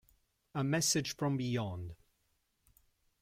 A Message from Beyond